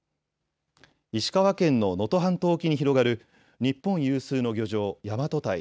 石川県の能登半島沖に広がる日本有数の漁場、大和堆。